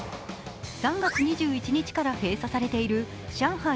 ３月２１日から閉鎖されている上海